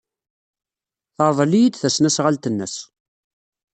Terḍel-iyi-d tasnasɣalt-nnes.